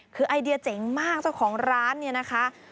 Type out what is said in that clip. คือไอเดียเจ๋งมากเจ้าของร้านเนี่ยนะคะ